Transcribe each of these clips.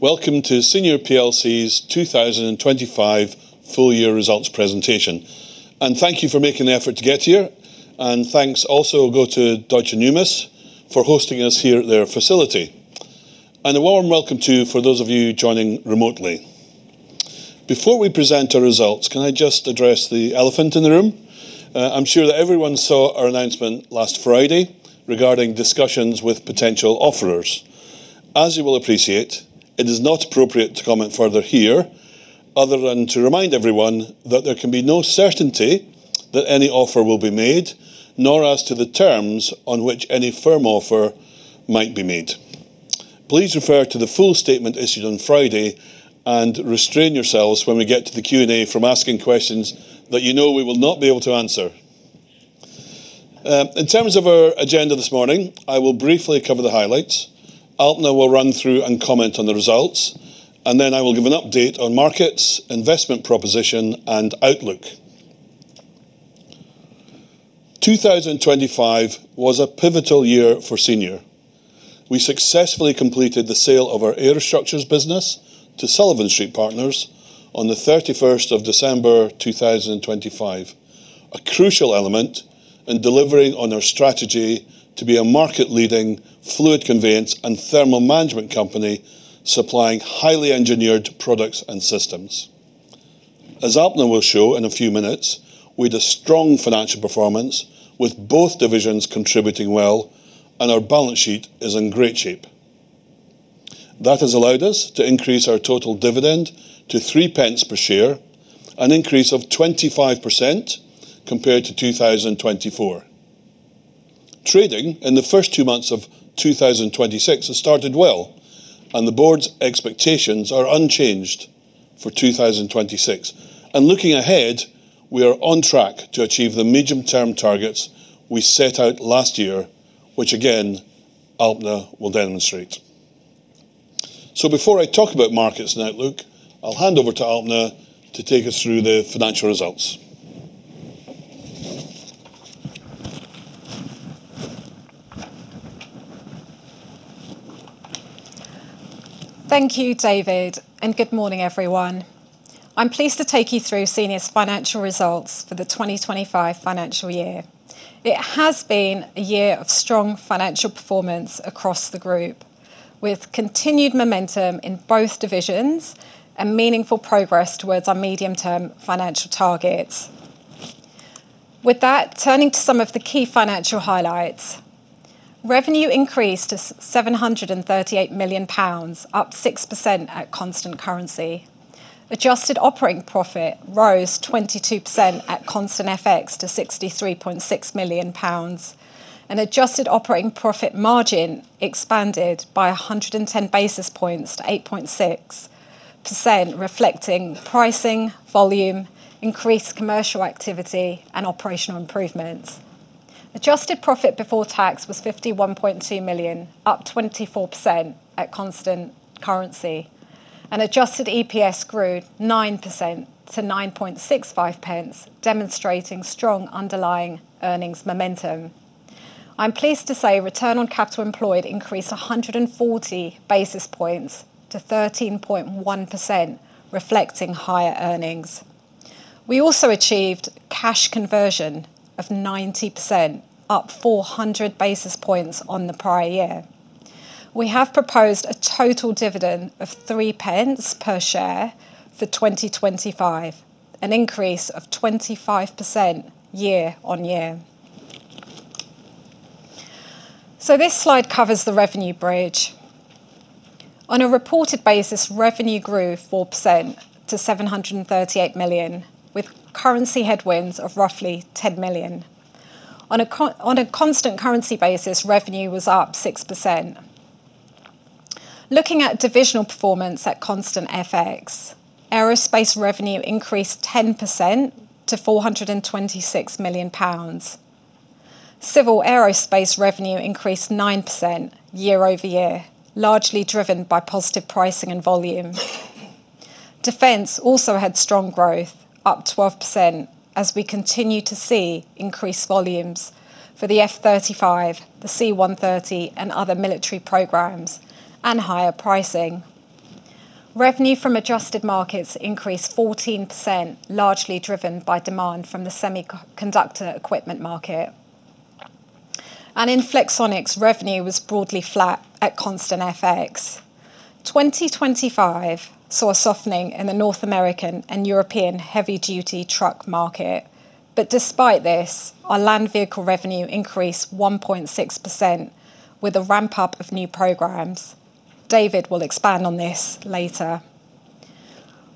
Welcome to Senior PLC's 2025 full year results presentation. Thank you for making the effort to get here, and thanks also go to Deutsche Numis for hosting us here at their facility. A warm welcome to you for those of you joining remotely. Before we present our results, can I just address the elephant in the room? I'm sure that everyone saw our announcement last Friday regarding discussions with potential offerors. As you will appreciate, it is not appropriate to comment further here other than to remind everyone that there can be no certainty that any offer will be made, nor as to the terms on which any firm offer might be made. Please refer to the full statement issued on Friday and restrain yourselves when we get to the Q&A from asking questions that you know we will not be able to answer. In terms of our agenda this morning, I will briefly cover the highlights. Alpna will run through and comment on the results. I will give an update on markets, investment proposition, and outlook. 2025 was a pivotal year for Senior. We successfully completed the sale of our Aerostructures business to Sullivan Street Partners on the 31st of December 2025. A crucial element in delivering on our strategy to be a market-leading fluid conveyance and thermal management company, supplying highly engineered products and systems. As Alpna will show in a few minutes, we had a strong financial performance with both divisions contributing well. Our balance sheet is in great shape. That has allowed us to increase our total dividend to 3 pence per share, an increase of 25% compared to 2024. Trading in the first two months of 2026 has started well. The board's expectations are unchanged for 2026. Looking ahead, we are on track to achieve the medium-term targets we set out last year, which again, Alpna will demonstrate. Before I talk about markets and outlook, I'll hand over to Alpna to take us through the financial results. Thank you, David. Good morning, everyone. I'm pleased to take you through Senior's financial results for the 2025 financial year. It has been a year of strong financial performance across the group, with continued momentum in both divisions and meaningful progress towards our medium-term financial targets. With that, turning to some of the key financial highlights. Revenue increased to 738 million pounds, up 6% at constant currency. Adjusted Operating Profit rose 22% at constant FX to 63.6 million pounds, and Adjusted Operating Profit margin expanded by 110 basis points to 8.6%, reflecting pricing, volume, increased commercial activity, and operational improvements. Adjusted Profit before tax was 51.2 million, up 24% at constant currency. Adjusted EPS grew 9% to 9.65 pence, demonstrating strong underlying earnings momentum. I'm pleased to say Return on Capital Employed increased 140 basis points to 13.1%, reflecting higher earnings. We also achieved cash conversion of 90%, up 400 basis points on the prior year. We have proposed a total dividend of 3 pence per share for 2025, an increase of 25% year-over-year. This slide covers the revenue bridge. On a reported basis, revenue grew 4% to 738 million, with currency headwinds of roughly 10 million. On a constant currency basis, revenue was up 6%. Looking at divisional performance at constant FX, Aerospace revenue increased 10% to 426 million pounds. Civil Aerospace revenue increased 9% year-over-year, largely driven by positive pricing and volume. Defense also had strong growth, up 12%, as we continue to see increased volumes for the F-35, the C-130, and other military programs, and higher pricing. Revenue from adjusted markets increased 14%, largely driven by demand from the semiconductor equipment market. In Flexonics, revenue was broadly flat at constant FX. 2025 saw a softening in the North American and European heavy-duty truck market. Despite this, our land vehicle revenue increased 1.6% with a ramp-up of new programs. David will expand on this later.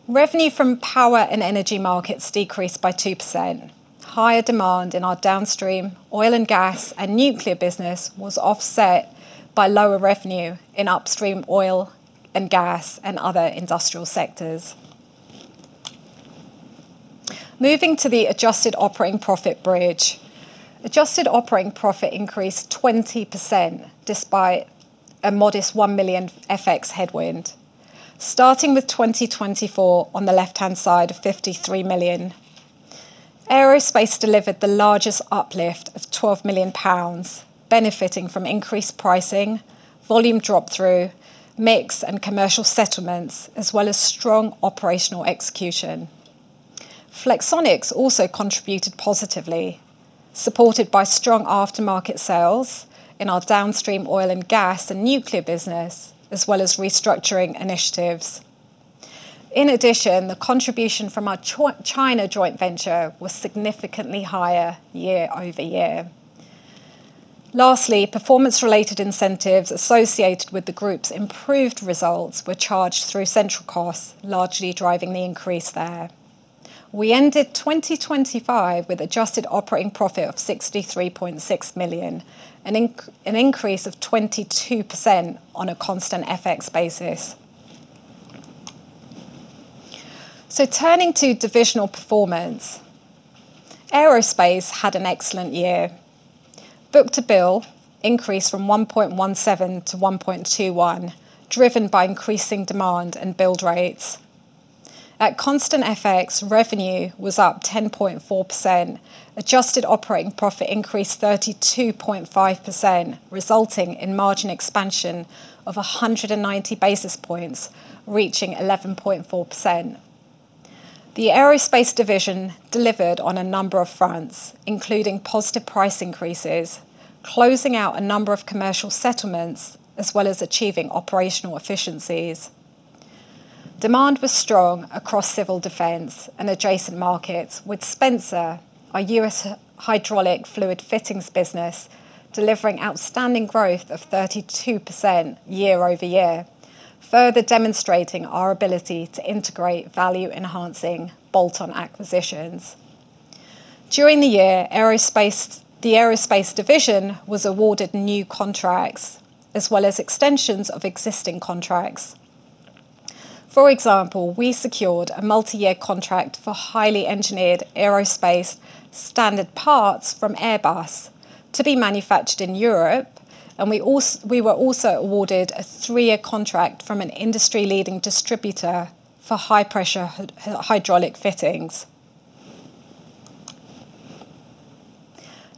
Revenue from power and energy markets decreased by 2%. Higher demand in our downstream oil and gas and nuclear business was offset by lower revenue in upstream oil and gas and other industrial sectors. Moving to the Adjusted Operating Profit bridge. Adjusted Operating Profit increased 20% despite a modest 1 million FX headwind. Starting with 2024 on the left-hand side of 53 million. Aerospace delivered the largest uplift of 12 million pounds, benefiting from increased pricing, volume drop through, mix and commercial settlements, as well as strong operational execution. Flexonics also contributed positively, supported by strong aftermarket sales in our downstream oil and gas and nuclear business, as well as restructuring initiatives. The contribution from our China joint venture was significantly higher year-over-year. Performance-related incentives associated with the group's improved results were charged through central costs, largely driving the increase there. We ended 2025 with Adjusted Operating Profit of 63.6 million, an increase of 22% on a constant FX basis. Turning to divisional performance, Aerospace had an excellent year. Book-to-bill increased from 1.17 to 1.21, driven by increasing demand and build rates. At constant FX, revenue was up 10.4%. Adjusted Operating Profit increased 32.5%, resulting in margin expansion of 190 basis points, reaching 11.4%. The aerospace division delivered on a number of fronts, including positive price increases, closing out a number of commercial settlements, as well as achieving operational efficiencies. Demand was strong across civil defense and adjacent markets with Spencer, our U.S. hydraulic fluid fittings business, delivering outstanding growth of 32% year-over-year, further demonstrating our ability to integrate value-enhancing bolt-on acquisitions. During the year, the aerospace division was awarded new contracts as well as extensions of existing contracts. For example, we secured a multi-year contract for highly engineered aerospace standard parts from Airbus to be manufactured in Europe, and we were also awarded a three-year contract from an industry-leading distributor for high pressure hydraulic fittings.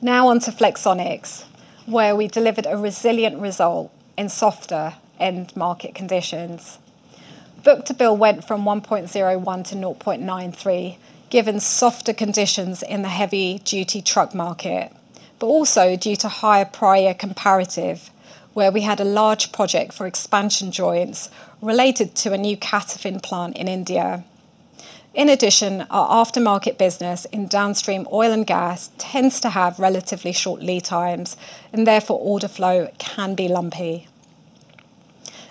Now on to Flexonics, where we delivered a resilient result in softer end market conditions. Book-to-bill went from 1.01 to 0.93, given softer conditions in the heavy-duty truck market, but also due to higher prior comparative, where we had a large project for expansion joints related to a new CATOFIN plant in India. In addition, our aftermarket business in downstream oil and gas tends to have relatively short lead times and therefore order flow can be lumpy.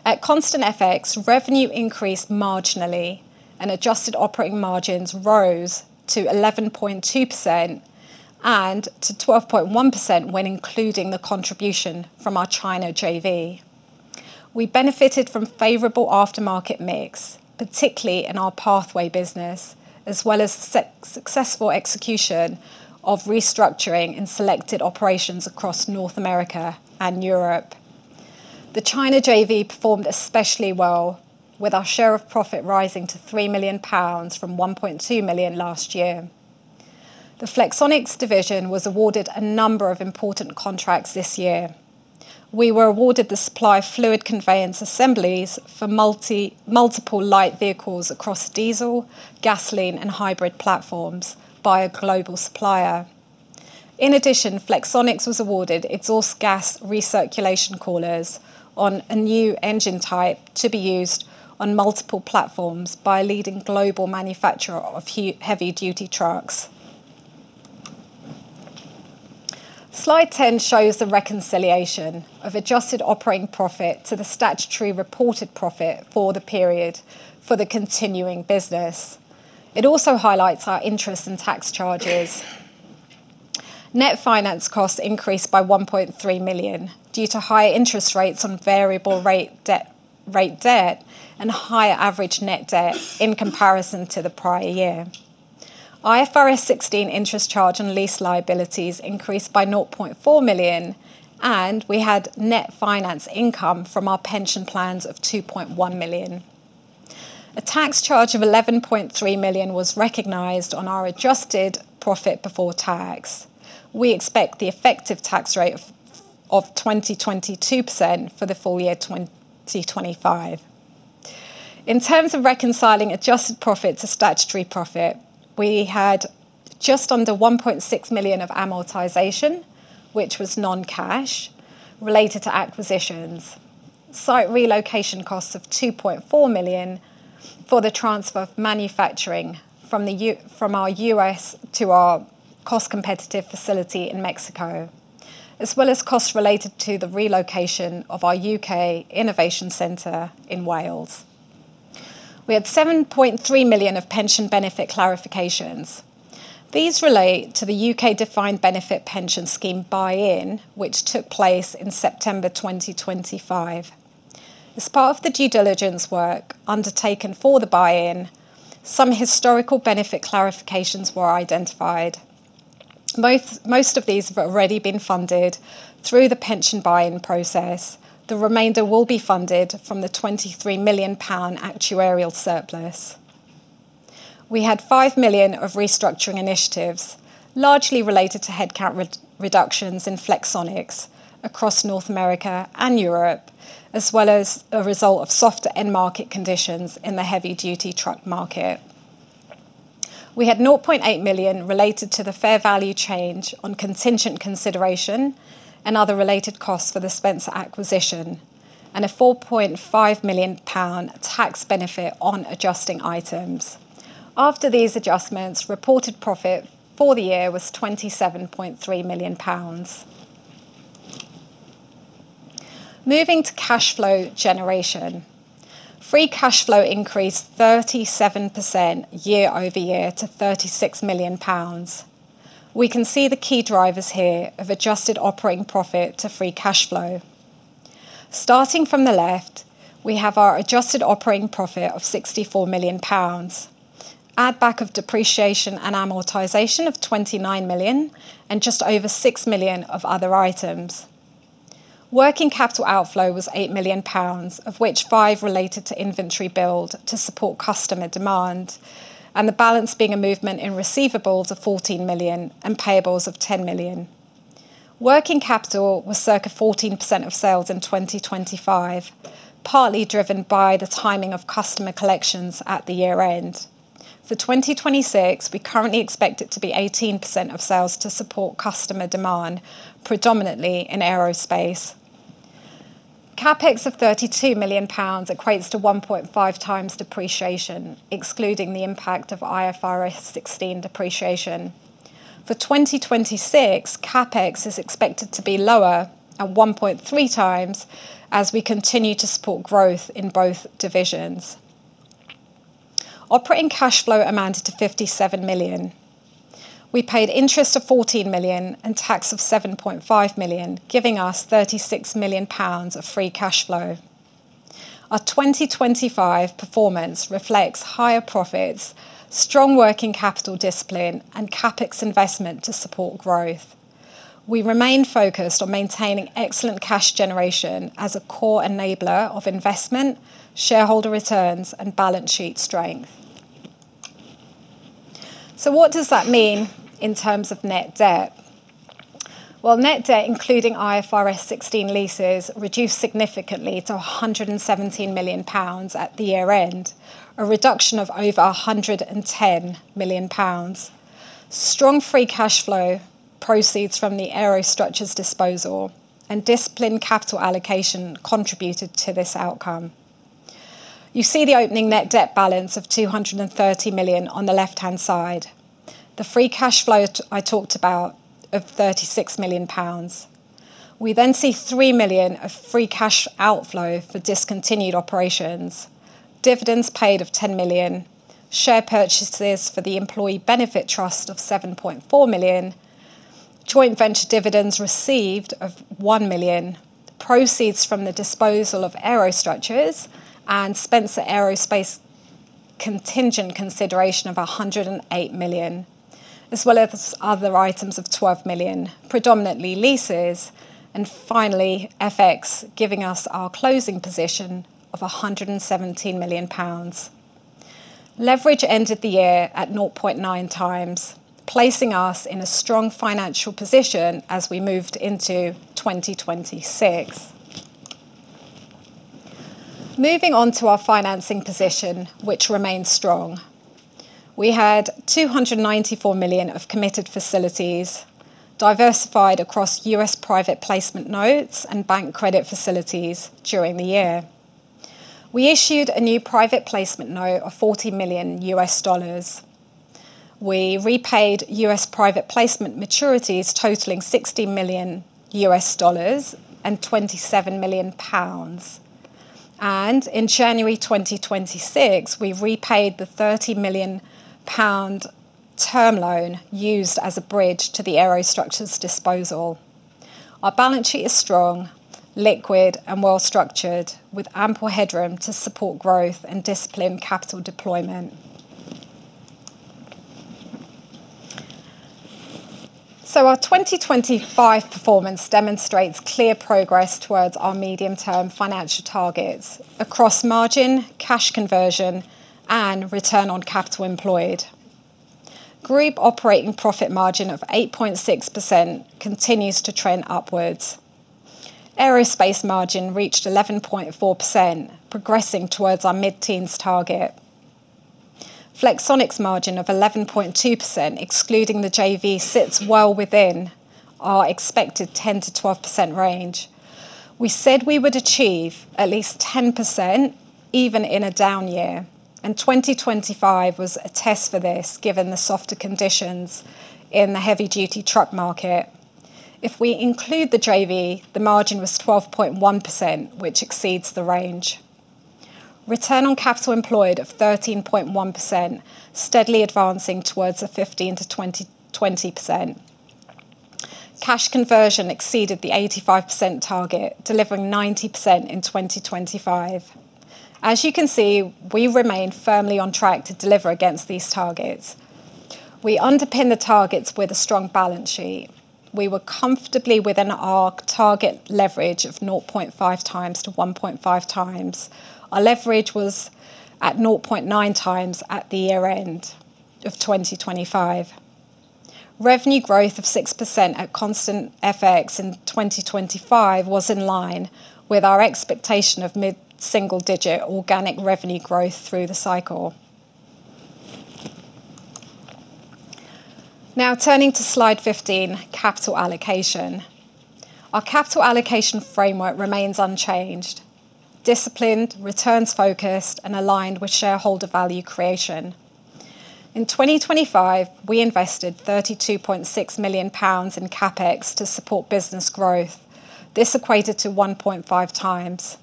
At constant FX, revenue increased marginally and adjusted operating margins rose to 11.2% and to 12.1% when including the contribution from our China JV. We benefited from favorable aftermarket mix, particularly in our Pathway business, as well as successful execution of restructuring in selected operations across North America and Europe. The China JV performed especially well with our share of profit rising to 3 million pounds from 1.2 million last year. The Flexonics division was awarded a number of important contracts this year. We were awarded the supply fluid conveyance assemblies for multiple light vehicles across diesel, gasoline and hybrid platforms by a global supplier. In addition, Flexonics was awarded exhaust gas recirculation coolers on a new engine type to be used on multiple platforms by a leading global manufacturer of heavy-duty trucks. Slide 10 shows the reconciliation of Adjusted Operating Profit to the statutory reported profit for the period for the continuing business. It also highlights our interest in tax charges. Net finance costs increased by 1.3 million due to higher interest rates on variable rate debt and higher average net debt in comparison to the prior year. IFRS 16 interest charge and lease liabilities increased by 0.4 million, and we had net finance income from our pension plans of 2.1 million. A tax charge of 11.3 million was recognized on our adjusted profit before tax. We expect the effective tax rate of 22% for the full year 2025. In terms of reconciling adjusted profit to statutory profit, we had just under 1.6 million of amortization, which was non-cash, related to acquisitions. Site relocation costs of 2.4 million for the transfer of manufacturing from our U.S. to our cost-competitive facility in Mexico, as well as costs related to the relocation of our U.K. innovation center in Wales. We had 7.3 million of pension benefit clarifications. These relate to the U.K. defined benefit pension scheme buy-in, which took place in September 2025. As part of the due diligence work undertaken for the buy-in, some historical benefit clarifications were identified. Most of these have already been funded through the pension buy-in process. The remainder will be funded from the 23 million pound actuarial surplus. We had 5 million of restructuring initiatives, largely related to headcount reductions in Flexonics across North America and Europe, as well as a result of softer end market conditions in the heavy duty truck market. We had 0.8 million related to the fair value change on contingent consideration and other related costs for the Spencer acquisition, and a 4.5 million pound tax benefit on adjusting items. After these adjustments, reported profit for the year was 27.3 million pounds. Moving to cash flow generation. Free cash flow increased 37% year-over-year to 36 million pounds. We can see the key drivers here of Adjusted Operating Profit to free cash flow. Starting from the left, we have our Adjusted Operating Profit of 64 million pounds. Add back of depreciation and amortization of 29 million GBP and just over 6 million GBP of other items. Working capital outflow was 8 million pounds, of which 5 million GBP related to inventory build to support customer demand, and the balance being a movement in receivables of 14 million GBP and payables of 10 million GBP. Working capital was circa 14% of sales in 2025, partly driven by the timing of customer collections at the year-end. For 2026, we currently expect it to be 18% of sales to support customer demand, predominantly in aerospace. CapEx of 32 million pounds equates to 1.5x depreciation, excluding the impact of IFRS 16 depreciation. For 2026, CapEx is expected to be lower at 1.3x as we continue to support growth in both divisions. Operating cash flow amounted to 57 million. We paid interest of 14 million and tax of 7.5 million, giving us 36 million pounds of free cash flow. Our 2025 performance reflects higher profits, strong working capital discipline, and CapEx investment to support growth. We remain focused on maintaining excellent cash generation as a core enabler of investment, shareholder returns and balance sheet strength. What does that mean in terms of net debt? Net debt, including IFRS 16 leases, reduced significantly to 117 million pounds at the year-end, a reduction of over 110 million pounds. Strong free cash flow, proceeds from the Aerostructures disposal, and disciplined capital allocation contributed to this outcome. You see the opening net debt balance of 230 million on the left-hand side. The free cash flow I talked about of 36 million pounds. We see 3 million of free cash outflow for discontinued operations, dividends paid of 10 million, share purchases for the employee benefit trust of 7.4 million, joint venture dividends received of 1 million, proceeds from the disposal of Aerostructures and Spencer Aerospace contingent consideration of 108 million, as well as other items of 12 million, predominantly leases, and finally, FX giving us our closing position of 117 million pounds. Leverage ended the year at 0.9x, placing us in a strong financial position as we moved into 2026. Moving on to our financing position, which remains strong. We had 294 million of committed facilities diversified across U.S. private placement notes and bank credit facilities during the year. We issued a new private placement note of $40 million. We repaid U.S. private placement maturities totaling $60 million and 27 million pounds. In January 2026, we repaid the 30 million pound term loan used as a bridge to the Aerostructures disposal. Our balance sheet is strong, liquid and well-structured, with ample headroom to support growth and disciplined capital deployment. Our 2025 performance demonstrates clear progress towards our medium-term financial targets across margin, cash conversion, and Return on Capital Employed. Group operating profit margin of 8.6% continues to trend upwards. Aerospace margin reached 11.4%, progressing towards our mid-teens target. Flexonics margin of 11.2%, excluding the JV, sits well within our expected 10%-12% range. We said we would achieve at least 10% even in a down year, 2025 was a test for this given the softer conditions in the heavy-duty truck market. If we include the JV, the margin was 12.1%, which exceeds the range. Return on Capital Employed of 13.1%, steadily advancing towards the 15%-20%, 20%. Cash conversion exceeded the 85% target, delivering 90% in 2025. As you can see, we remain firmly on track to deliver against these targets. We underpin the targets with a strong balance sheet. We were comfortably within our target leverage of 0.5x to 1.5x. Our leverage was at 0.9x at the year-end of 2025. Revenue growth of 6% at constant FX in 2025 was in line with our expectation of mid-single-digit organic revenue growth through the cycle. Turning to slide 15, capital allocation. Our capital allocation framework remains unchanged, disciplined, returns-focused and aligned with shareholder value creation. In 2025, we invested 32.6 million pounds in CapEx to support business growth. This equated to 1.5x.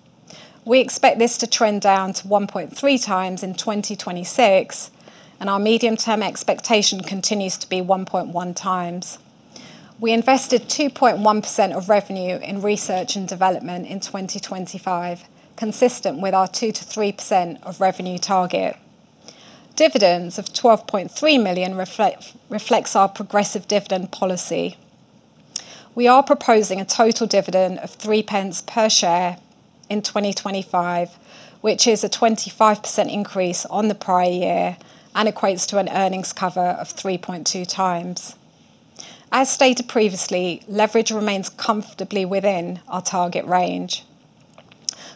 We expect this to trend down to 1.3x in 2026. Our medium-term expectation continues to be 1.1x. We invested 2.1% of revenue in research and development in 2025, consistent with our 2%-3% of revenue target. Dividends of 12.3 million reflects our progressive dividend policy. We are proposing a total dividend of 3 pence per share in 2025, which is a 25% increase on the prior year and equates to an earnings cover of 3.2x. As stated previously, leverage remains comfortably within our target range.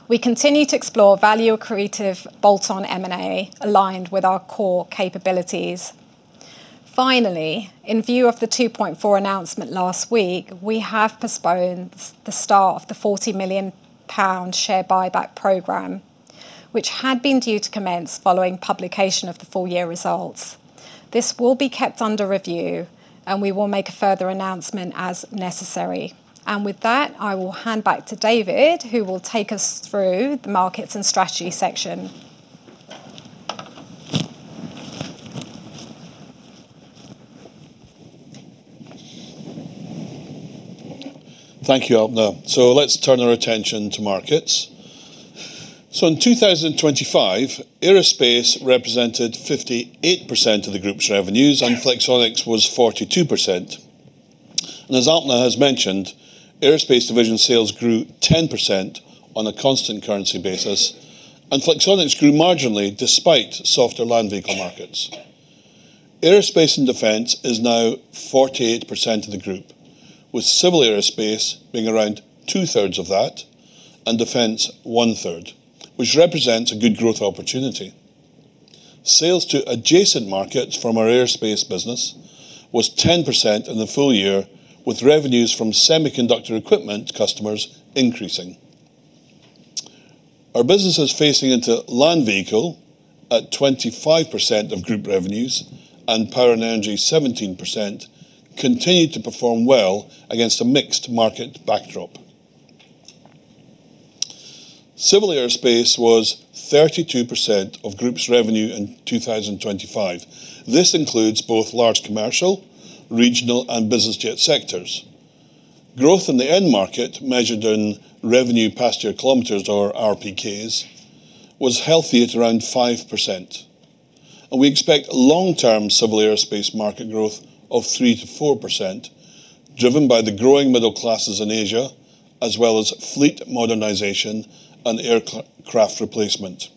We continue to explore value-accretive bolt-on M&A aligned with our core capabilities. In view of the Rule 2.4 announcement last week, we have postponed the start of the 40 million pound share buyback program, which had been due to commence following publication of the full year results. This will be kept under review. We will make a further announcement as necessary. With that, I will hand back to David, who will take us through the markets and strategy section. Thank you, Alpna. Let's turn our attention to markets. In 2025, aerospace represented 58% of the group's revenues, and Flexonics was 42%. As Alpna has mentioned, aerospace division sales grew 10% on a constant currency basis, and Flexonics grew marginally despite softer land vehicle markets. Aerospace and defense is now 48% of the group, with civil aerospace being around 2/3 of that and defense one-third, which represents a good growth opportunity. Sales to adjacent markets from our aerospace business was 10% in the full year, with revenues from semiconductor equipment customers increasing. Our businesses facing into land vehicle, at 25% of group revenues, and power and energy, 17%, continued to perform well against a mixed market backdrop. Civil aerospace was 32% of group's revenue in 2025. This includes both large commercial, regional and business jet sectors. Growth in the end market, measured in Revenue Passenger Kilometers or RPKs, was healthy at around 5%. We expect long-term civil aerospace market growth of 3%-4%, driven by the growing middle classes in Asia, as well as fleet modernization and aircraft replacement.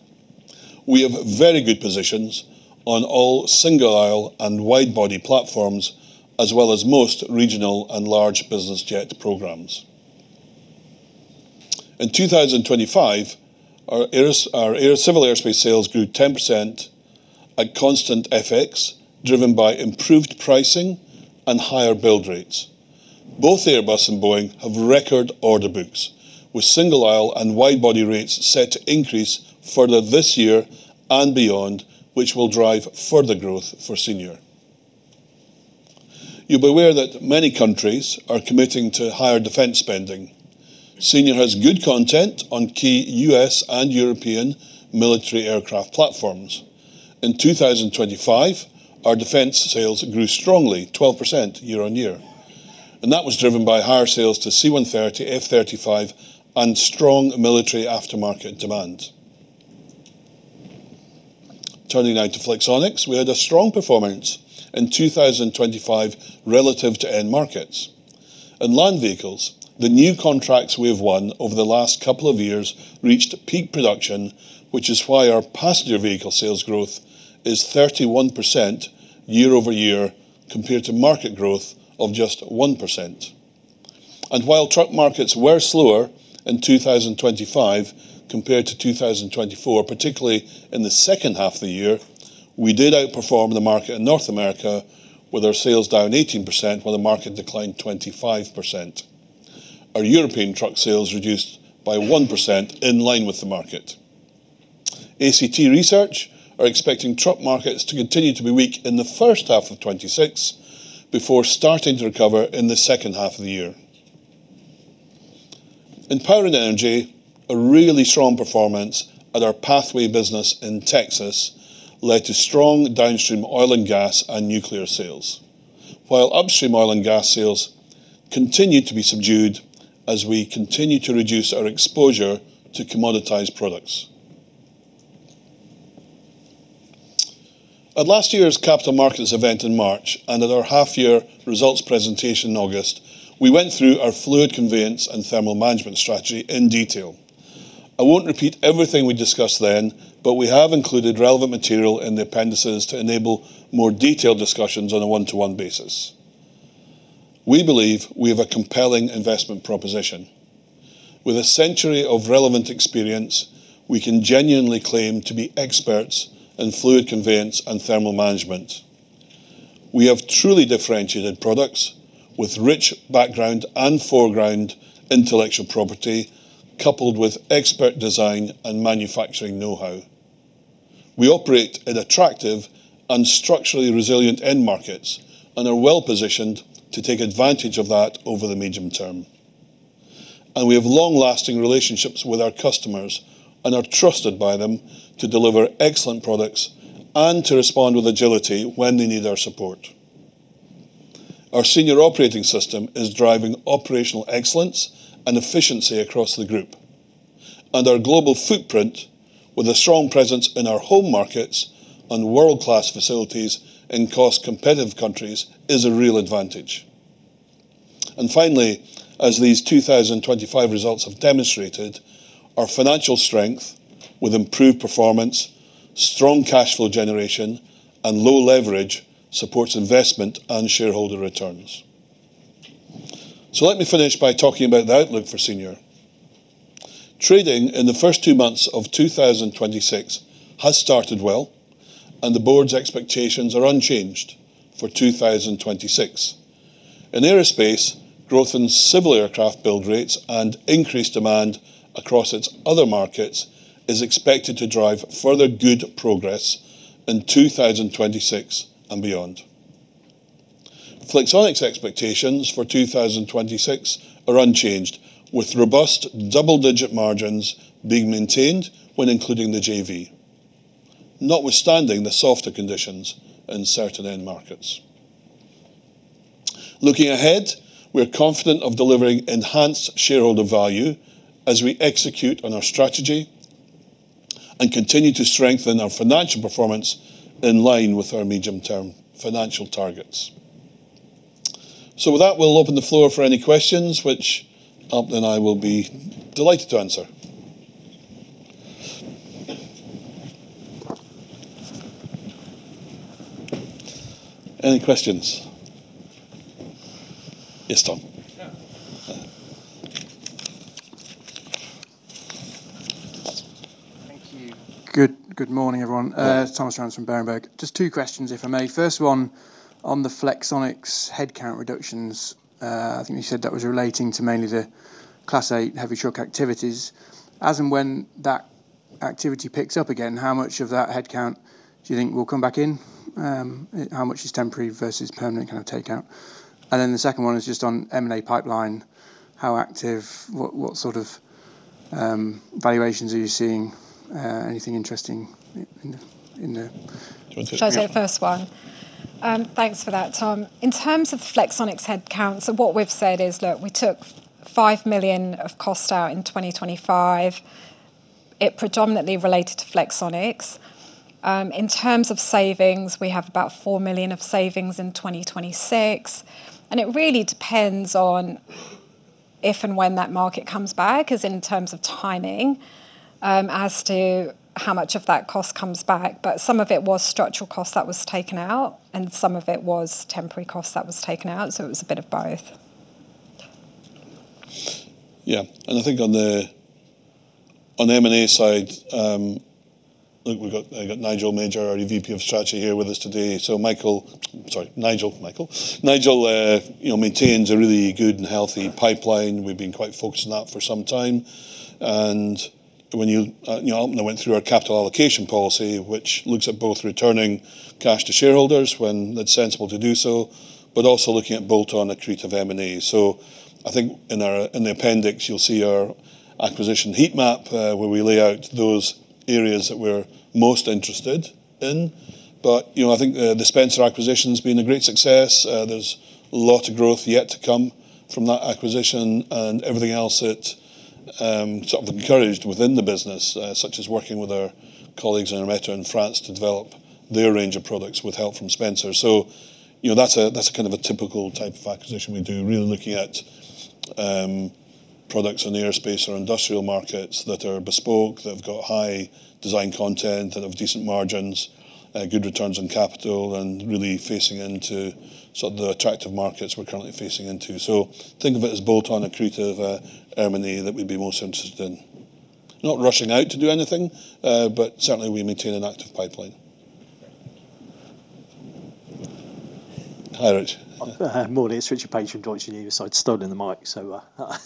We have very good positions on all single-aisle and wide-body platforms, as well as most regional and large business jet programs. In 2025, civil aerospace sales grew 10% at constant FX, driven by improved pricing and higher build rates. Both Airbus and Boeing have record order books, with single-aisle and wide-body rates set to increase further this year and beyond, which will drive further growth for Senior. You'll be aware that many countries are committing to higher defense spending. Senior has good content on key U.S. and European military aircraft platforms. In 2025, our defense sales grew strongly, 12% year-over-year. That was driven by higher sales to C-130, F-35 and strong military aftermarket demand. Turning now to Flexonics. We had a strong performance in 2025 relative to end markets. In land vehicles, the new contracts we have won over the last couple of years reached peak production, which is why our passenger vehicle sales growth is 31% year-over-year, compared to market growth of just 1%. While truck markets were slower in 2025 compared to 2024, particularly in the second half of the year, we did outperform the market in North America, with our sales down 18% while the market declined 25%. Our European truck sales reduced by 1% in line with the market. ACT Research are expecting truck markets to continue to be weak in the first half of 2026 before starting to recover in the second half of the year. In power and energy, a really strong performance at our Pathway business in Texas led to strong downstream oil and gas and nuclear sales. Upstream oil and gas sales continued to be subdued as we continue to reduce our exposure to commoditized products. At last year's capital markets event in March and at our half-year results presentation in August, we went through our fluid conveyance and thermal management strategy in detail. I won't repeat everything we discussed then, we have included relevant material in the appendices to enable more detailed discussions on a one-to-one basis. We believe we have a compelling investment proposition. With a century of relevant experience, we can genuinely claim to be experts in fluid conveyance and thermal management. We have truly differentiated products with rich background and foreground intellectual property, coupled with expert design and manufacturing know-how. We operate in attractive and structurally resilient end markets, are well-positioned to take advantage of that over the medium term. We have long-lasting relationships with our customers and are trusted by them to deliver excellent products and to respond with agility when they need our support. Our Senior Operating System is driving operational excellence and efficiency across the group. Our global footprint, with a strong presence in our home markets and world-class facilities in cost-competitive countries, is a real advantage. Finally, as these 2025 results have demonstrated, our financial strength with improved performance, strong cash flow generation, and low leverage supports investment and shareholder returns. Let me finish by talking about the outlook for Senior. Trading in the first two months of 2026 has started well, and the board's expectations are unchanged for 2026. In Aerospace, growth in civil aircraft build rates and increased demand across its other markets is expected to drive further good progress in 2026 and beyond. Flexonics expectations for 2026 are unchanged, with robust double-digit margins being maintained when including the JV, notwithstanding the softer conditions in certain end markets. Looking ahead, we're confident of delivering enhanced shareholder value as we execute on our strategy and continue to strengthen our financial performance in line with our medium-term financial targets. With that, we'll open the floor for any questions, which Alpna and I will be delighted to answer. Any questions? Yes, Tom. Thank you. Good, good morning, everyone. Yeah. Thomas Rands from Berenberg. Just two questions, if I may. First one on the Flexonics headcount reductions. I think you said that was relating to mainly the Class 8 heavy truck activities. As and when that activity picks up again, how much of that headcount do you think will come back in? How much is temporary versus permanent kind of takeout? The second one is just on M&A pipeline. How active, what sort of valuations are you seeing? Anything interesting in the? Do you want to take that? Shall I take the first one? Thanks for that, Tom. In terms of Flexonics headcounts, what we've said is, look, we took 5 million of cost out in 2025. It predominantly related to Flexonics. In terms of savings, we have about 4 million of savings in 2026, it really depends on if and when that market comes back is in terms of timing, as to how much of that cost comes back. Some of it was structural costs that was taken out and some of it was temporary costs that was taken out, so it was a bit of both. Yeah. I think on the, on the M&A side, look, I got Nigel Major, our VP of Strategy here with us today. Sorry, Nigel. Nigel, you know, maintains a really good and healthy pipeline. We've been quite focused on that for some time. When you know, went through our capital allocation policy, which looks at both returning cash to shareholders when it's sensible to do so, but also looking at bolt-on accretive M&A. I think in the appendix, you'll see our acquisition heat map, where we lay out those areas that we're most interested in. You know, I think, the Spencer acquisition's been a great success. There's a lot of growth yet to come from that acquisition and everything else it sort of encouraged within the business, such as working with our colleagues in Ermeto in France to develop their range of products with help from Spencer Aerospace. You know, that's a, that's a kind of a typical type of acquisition we do, really looking at products in the aerospace or industrial markets that are bespoke, that have got high design content and have decent margins, good returns on capital, and really facing into sort of the attractive markets we're currently facing into. Think of it as bolt-on accretive M&A that we'd be most interested in. Not rushing out to do anything, but certainly we maintain an active pipeline. Hi, Rich. Morning. It's Richard Paige from Deutsche Bank. Sorry, stolen the mic.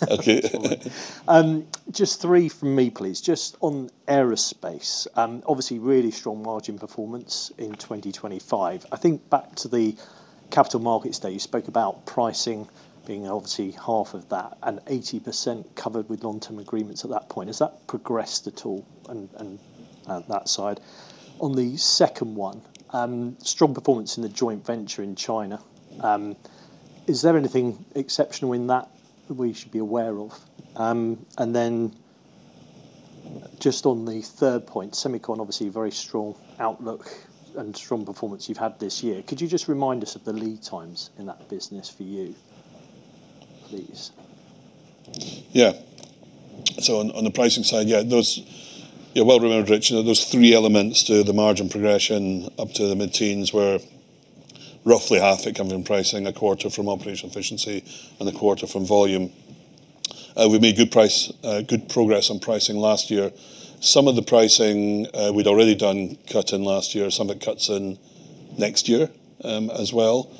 Okay. Just three from me, please. Just on aerospace, obviously really strong margin performance in 2025. I think back to the capital markets day, you spoke about pricing, being obviously half of that and 80% covered with long-term agreements at that point. Has that progressed at all and, that side? On the second one, strong performance in the joint venture in China. Is there anything exceptional in that we should be aware of? Then just on the third point, semicon, obviously, very strong outlook and strong performance you've had this year. Could you just remind us of the lead times in that business for you, please? On, on the pricing side, well remembered, Richard. There's three elements to the margin progression up to the mid-teens where roughly half it come from pricing, a quarter from operational efficiency, and a quarter from volume. We made good price, good progress on pricing last year. Some of the pricing, we'd already done cut in last year, some of it cuts in next year as well.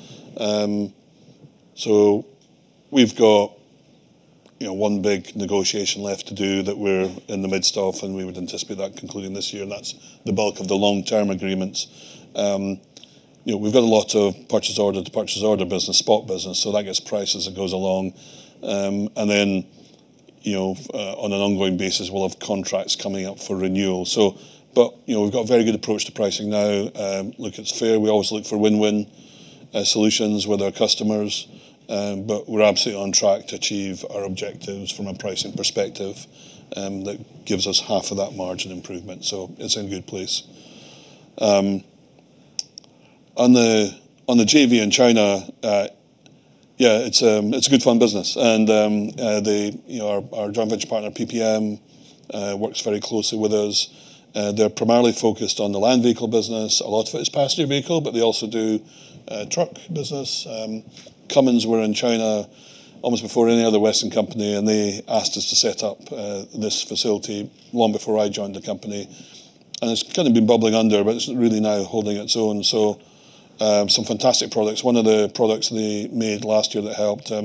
We've got, you know, one big negotiation left to do that we're in the midst of, and we would anticipate that concluding this year, and that's the bulk of the long-term agreements. You know, we've got a lot of purchase order to purchase order business, spot business, that gets priced as it goes along. You know, on an ongoing basis, we'll have contracts coming up for renewal. you know, we've got a very good approach to pricing now. Look, it's fair. We always look for win-win solutions with our customers, we're absolutely on track to achieve our objectives from a pricing perspective, that gives us half of that margin improvement. It's in a good place. On the JV in China, yeah, it's a good fun business. you know, our joint venture partner, PPM, works very closely with us. They're primarily focused on the land vehicle business. A lot of it is passenger vehicle, they also do truck business. Cummins were in China almost before any other Western company, they asked us to set up this facility long before I joined the company. It's kinda been bubbling under, but it's really now holding its own. Some fantastic products. One of the products they made last year that helped, I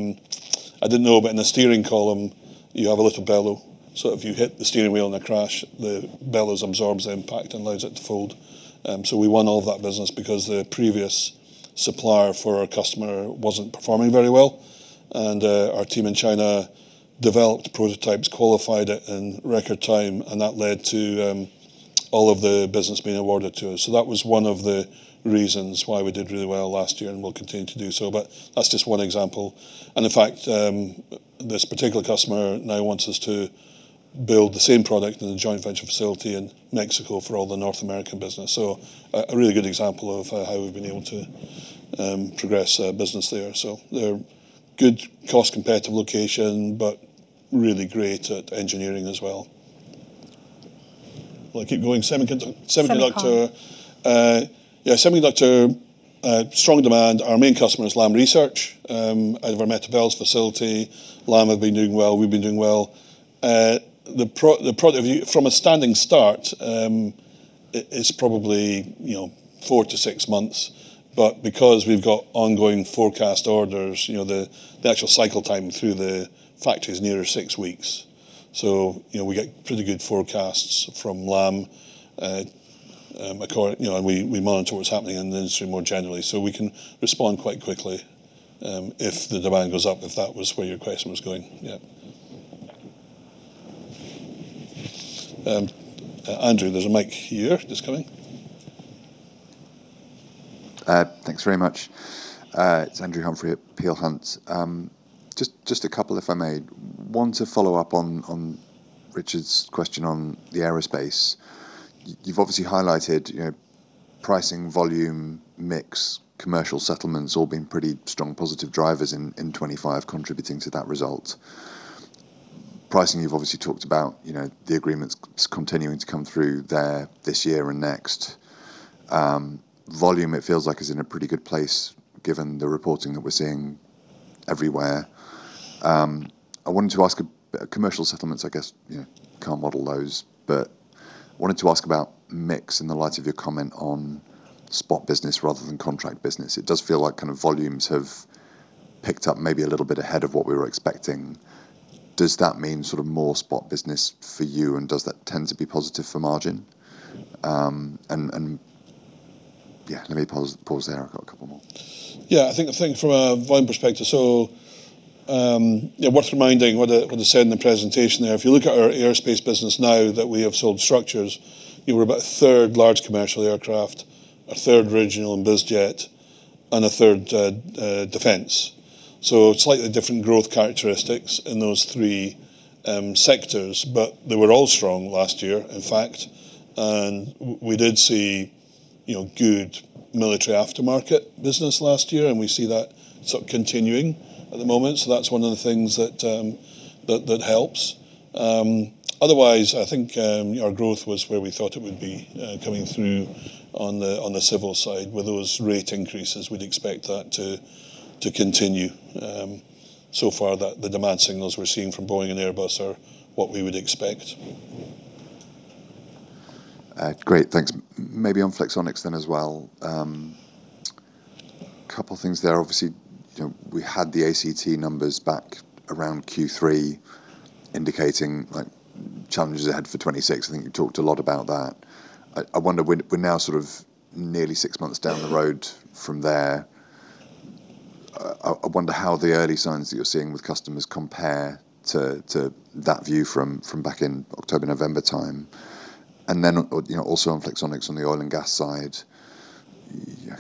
didn't know, but in the steering column, you have a little bellow. If you hit the steering wheel in a crash, the bellows absorbs the impact and allows it to fold. We won all of that business because the previous supplier for our customer wasn't performing very well. Our team in China developed prototypes, qualified it in record time, and that led to all of the business being awarded to us. That was one of the reasons why we did really well last year and will continue to do so, but that's just one example. In fact, this particular customer now wants us to build the same product in a joint venture facility in Mexico for all the North American business. A really good example of how we've been able to progress our business there. They're good cost competitive location, but really great at engineering as well. Will I keep going? Semiconductor- Semiconductor. Yeah, semiconductor, strong demand. Our main customer is Lam Research. Out of our Metal Bellows facility, Lam have been doing well. We've been doing well. From a standing start, it's probably, you know, four to six months, but because we've got ongoing forecast orders, you know, the actual cycle time through the factory is nearer six weeks. You know, we get pretty good forecasts from Lam. You know, and we monitor what's happening in the industry more generally. We can respond quite quickly, if the demand goes up, if that was where your question was going. Yeah. Andrew, there's a mic here that's coming. Thanks very much. It's Andrew Humphrey at Peel Hunt. Just a couple, if I may. One to follow up on Richard's question on the aerospace. You've obviously highlighted, you know, pricing, volume, mix, commercial settlements all being pretty strong positive drivers in 2025 contributing to that result. Pricing, you've obviously talked about, you know, the agreements continuing to come through there this year and next. Volume it feels like is in a pretty good place given the reporting that we're seeing everywhere. I wanted to ask Commercial settlements, I guess, you know, can't model those, but wanted to ask about mix in the light of your comment on spot business rather than contract business. It does feel like kind of volumes have picked up maybe a little bit ahead of what we were expecting. Does that mean sort of more spot business for you, and does that tend to be positive for margin? Yeah, let me pause there. I've got a couple more. I think from a volume perspective, so, worth reminding what I said in the presentation there. If you look at our aerospace business now that we have sold structures, you know, we're about a third large commercial aircraft, a third regional and biz jet, and a third defense. Slightly different growth characteristics in those three sectors, but they were all strong last year, in fact. And we did see, you know, good military aftermarket business last year, and we see that sort of continuing at the moment. That's one of the things that helps. Otherwise, I think, our growth was where we thought it would be, coming through on the civil side. With those rate increases, we'd expect that to continue. So far, the demand signals we're seeing from Boeing and Airbus are what we would expect. Great. Thanks. Maybe on Flexonics then as well. Couple things there. Obviously, you know, we had the ACT numbers back around Q3 indicating, like challenges ahead for 2026. I think you talked a lot about that. I wonder we are now sort of nearly six months down the road from there. I wonder how the early signs that you are seeing with customers compare to that view from back in October, November time. You know, also on Flexonics on the oil and gas side, yeah,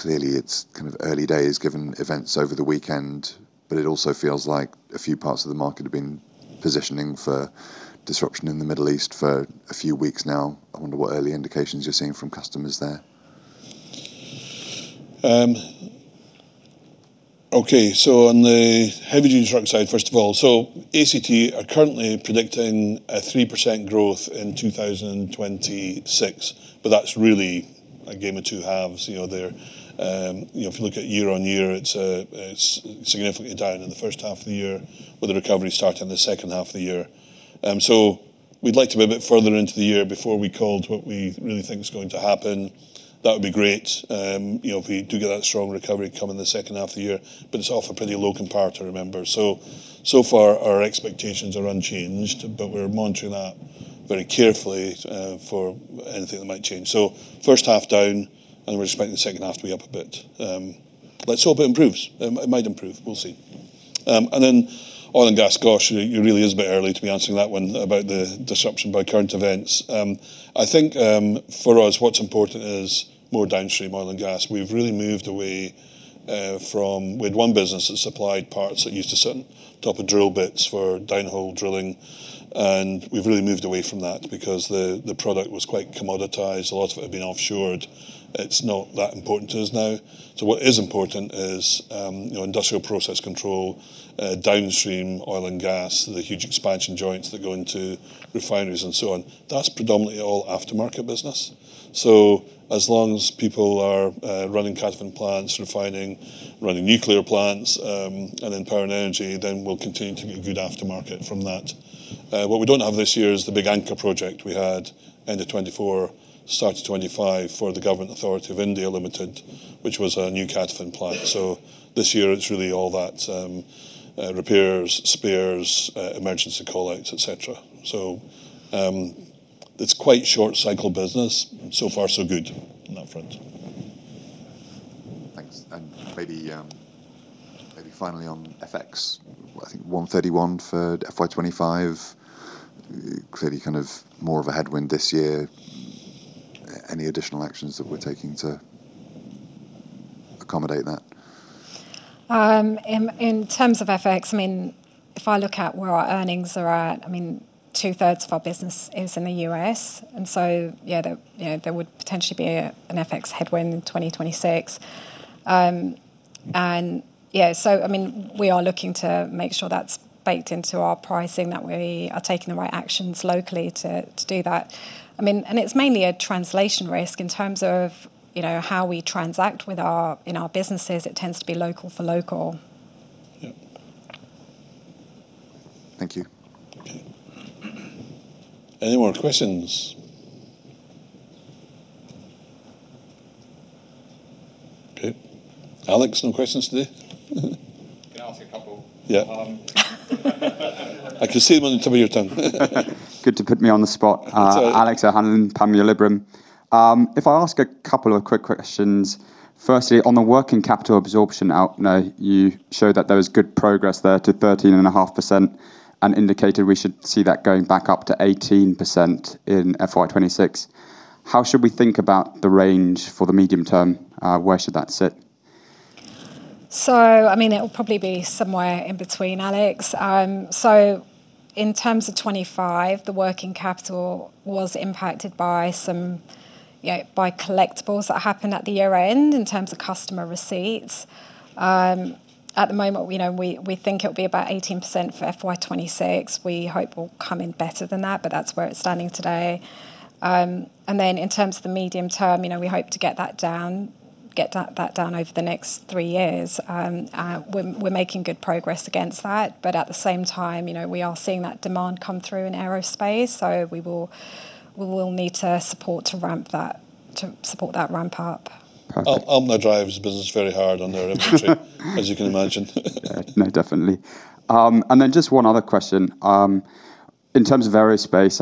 clearly it is kind of early days given events over the weekend, but it also feels like a few parts of the market have been positioning for disruption in the Middle East for a few weeks now. I wonder what early indications you are seeing from customers there. On the heavy duty truck side, first of all, ACT are currently predicting a 3% growth in 2026, but that's really a game of two halves, you know, there. You know, if you look at year-on-year, it's significantly down in the first half of the year with the recovery starting in the second half of the year. We'd like to be a bit further into the year before we called what we really think is going to happen. That would be great, you know, if we do get that strong recovery coming in the second half of the year. It's off a pretty low compare to remember. So far our expectations are unchanged, but we're monitoring that very carefully for anything that might change. First half down, and we're expecting the second half to be up a bit. Let's hope it improves. It might improve. We'll see. Then oil and gas, gosh, it really is a bit early to be answering that one about the disruption by current events. I think, for us, what's important is more downstream oil and gas. We've really moved away from We had one business that supplied parts that used to sit on top of drill bits for down hole drilling, and we've really moved away from that because the product was quite commoditized. A lot of it had been offshored. It's not that important to us now. What is important is, you know, industrial process control, downstream oil and gas, the huge expansion joints that go into refineries and so on. That's predominantly all aftermarket business. As long as people are running CATOFIN plants, refining, running nuclear plants, and then power and energy, then we'll continue to get good aftermarket from that. What we don't have this year is the big anchor project we had end of 2024, start of 2025 for the GAIL (India) Limited, which was a new CATOFIN plant. This year it's really all that, repairs, spares, emergency call outs, et cetera. It's quite short cycle business. So far so good on that front. Thanks. Maybe, maybe finally on FX, I think 1.31 for FY 2025. Clearly kind of more of a headwind this year. Any additional actions that we're taking to accommodate that? In terms of FX, I mean, if I look at where our earnings are at, 2/3 of our business is in the U.S. Yeah, there, you know, there would potentially be an FX headwind in 2026. Yeah, so I mean, we are looking to make sure that's baked into our pricing, that we are taking the right actions locally to do that. It's mainly a translation risk in terms of, you know, how we transact with our businesses. It tends to be local for local. Yep. Thank you. Okay. Any more questions? Okay. Alex, no questions today? Can I ask a couple? Yeah. I can see them on the tip of your tongue. Good to put me on the spot. Sorry. Alex O'Hanlon, Panmure Liberum. If I ask a couple of quick questions. Firstly, on the working capital absorption out note, you showed that there was good progress there to 13.5%, and indicated we should see that going back up to 18% in FY 2026. How should we think about the range for the medium term? Where should that sit? I mean, it'll probably be somewhere in between, Alex. In terms of 25, the working capital was impacted by some, you know, by collectibles that happened at the year-end in terms of customer receipts. At the moment, you know, we think it'll be about 18% for FY 2026. We hope we'll come in better than that, but that's where it's standing today. In terms of the medium term, you know, we hope to get that down over the next three years. We're making good progress against that, but at the same time, you know, we are seeing that demand come through in aerospace, we will need to support that ramp up. Perfect. Alpna drives the business very hard on their inventory as you can imagine. Yeah. No, definitely. Just one other question. In terms of aerospace,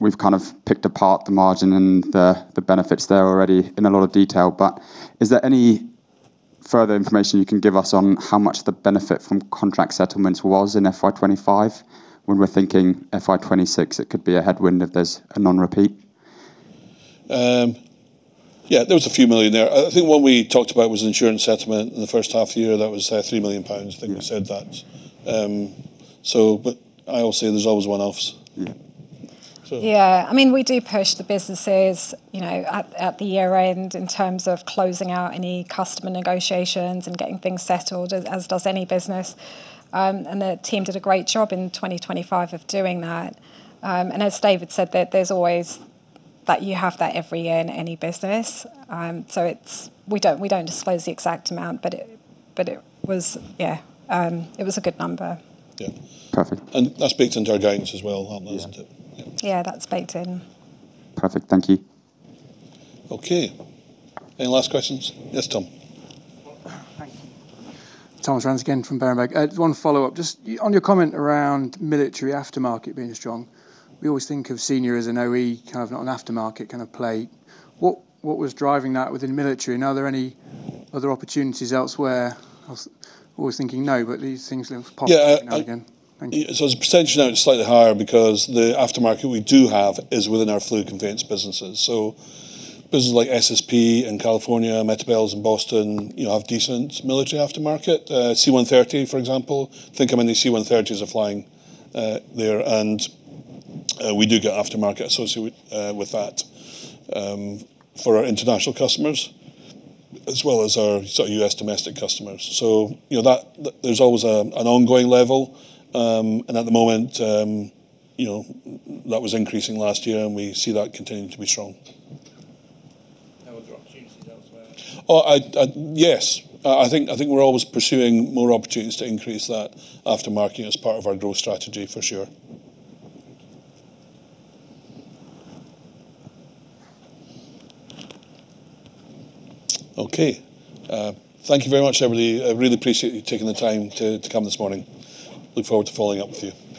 we've kind of picked apart the margin and the benefits there already in a lot of detail, but is there any further information you can give us on how much the benefit from contract settlements was in FY 2025, when we're thinking FY 2026 it could be a headwind if there's a non-repeat? Yeah, there was a few million there. I think what we talked about was insurance settlement in the first half year. That was 3 million pounds. Mm-hmm. I think we said that. I will say there's always one-offs. Yeah. So- Yeah. I mean, we do push the businesses, you know, at the year-end in terms of closing out any customer negotiations and getting things settled, as does any business. The team did a great job in 2025 of doing that. As David said, there's always... That you have that every year in any business. We don't disclose the exact amount, but it was... Yeah, it was a good number. Yeah. Perfect. that's baked into our guidance as well, aren't those. Yeah. Yeah. Yeah, that's baked in. Perfect. Thank you. Okay. Any last questions? Yes, Tom. Thank you. Thomas Rands again from Berenberg. Just one follow-up on your comment around military aftermarket being strong, we always think of Senior as an OE, kind of not an aftermarket kind of play. What was driving that within military? Are there any other opportunities elsewhere? I was always thinking no, these things live... Yeah. pop up now and again. Thank you. As a percentage now it's slightly higher because the aftermarket we do have is within our fluid conveyance businesses. Businesses like SSP in California, Metal Bellows in Boston, you know, have decent military aftermarket. C-130, for example. Think how many C-130s are flying there. We do get aftermarket associated with that for our international customers as well as our sort of U.S. domestic customers. you know, that. There's always an ongoing level. At the moment, you know, that was increasing last year, and we see that continuing to be strong. Are there opportunities elsewhere? Yes. I think we're always pursuing more opportunities to increase that aftermarket as part of our growth strategy, for sure. Okay. Thank you very much, everybody. I really appreciate you taking the time to come this morning. Look forward to following up with you.